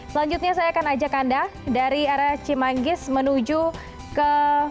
selanjutnya saya akan ajak anda dari area cimanggis menuju ke